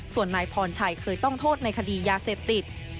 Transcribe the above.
ส่วนนายพรชัยเคยต้องโทษในคดียาเสพติด